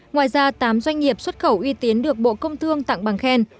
ngoài ra tám doanh nghiệp xuất khẩu uy tiến được bộ công thương tặng bằng khen